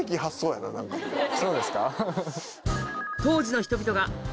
そうですか？